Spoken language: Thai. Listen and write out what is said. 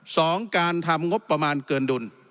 สองการทำงบประมาณเกินดุล